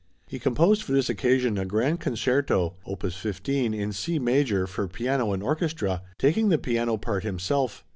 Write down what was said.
He composed for this occasion a Grand Concerto (opus 15) in C major for piano and orchestra, taking the piano part himself.